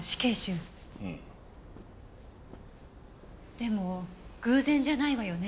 でも偶然じゃないわよね？